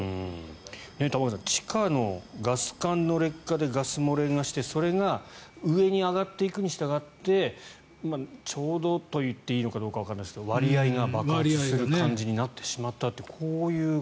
玉川さん、地下のガス管の劣化でガス漏れがしてそれが上に上がっていくにしたがってちょうどと言っていいのかどうかわからないですけど割合が、爆発する感じになってしまったって。